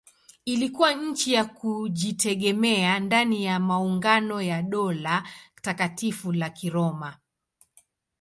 Ilikuwa nchi ya kujitegemea ndani ya maungano ya Dola Takatifu la Kiroma.